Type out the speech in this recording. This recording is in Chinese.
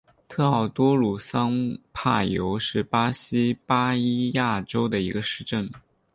特奥多鲁桑帕尤是巴西巴伊亚州的一个市镇。